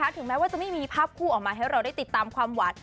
ถึงแม้ว่าจะไม่มีภาพคู่ออกมาให้เราได้ติดตามความหวาน